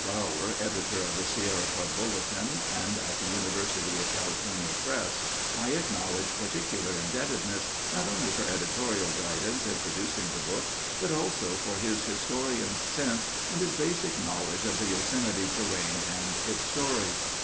Brower, Editor of the Sierra Club Bulletin and at the University of California Press, I acknowledge particular indebtedness, not only for editorial guidance in producing the book but, also, for his historian's sense and his basic knowledge of the Yosemite terrain and its story.